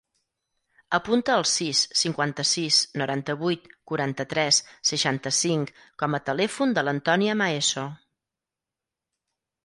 Apunta el sis, cinquanta-sis, noranta-vuit, quaranta-tres, seixanta-cinc com a telèfon de l'Antònia Maeso.